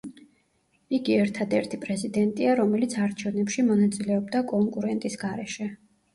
იგი ერთადერთი პრეზიდენტია, რომელიც არჩევნებში მონაწილეობდა კონკურენტის გარეშე.